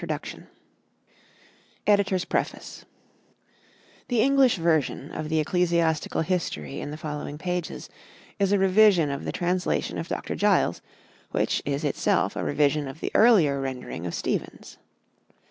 Continuation Index Footnotes EDITOR'S PREFACE The English version of the "Ecclesiastical History" in the following pages is a revision of the translation of Dr. Giles, which is itself a revision of the earlier rendering of Stevens.